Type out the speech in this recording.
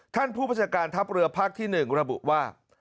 ท่านผู้ประชาการทัพเรือภาคที่๑ระบุว่า